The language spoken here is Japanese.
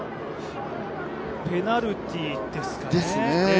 ペナルティーですかね。